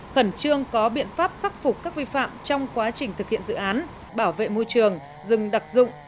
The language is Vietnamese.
khẩn trương có biện pháp khắc phục các vi phạm trong quá trình thực hiện dự án bảo vệ môi trường rừng đặc dụng